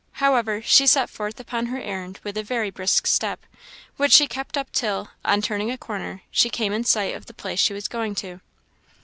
However, she set forth upon her errand with a very brisk step, which she kept up till, on turning a corner, she came in sight of the place she was going to.